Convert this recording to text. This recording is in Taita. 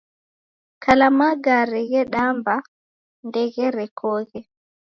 Kala magare ghedamba ndegherekoghe.